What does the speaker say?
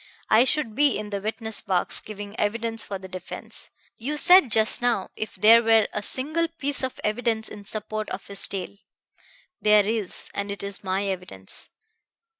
I should be in the witness box, giving evidence for the defense. You said just now, 'If there were a single piece of evidence in support of his tale.' There is, and it is my evidence.